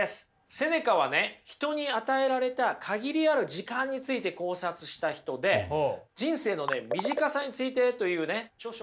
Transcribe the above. セネカはね人に与えられた限りある時間について考察した人で「人生の短さについて」というね著書も残してるんですよ。